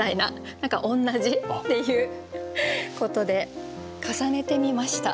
何か同じっていうことで重ねてみました。